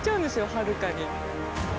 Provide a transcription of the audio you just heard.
はるかに。